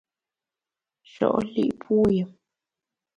Sho’ li’ puyùm !